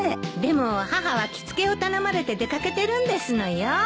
でも母は着付けを頼まれて出掛けてるんですのよ。